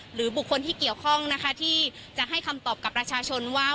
หรือบุคคลที่เกี่ยวข้องนะคะที่จะให้คำตอบกับประชาชนว่า